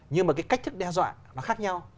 nhưng mà cái cách thức đe dọa nó khác nhau